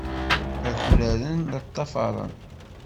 Akraren la ṭṭafaren.